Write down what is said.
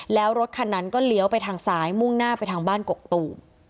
แล้วรถคันนั้นก็เลี้ยวไปทางซ้ายมุ่งหน้าไปทางบ้านกกตูม